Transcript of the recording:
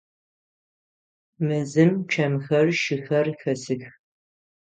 Мэзым чэмхэр, шыхэр хэсых.